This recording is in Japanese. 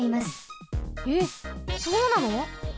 えっそうなの？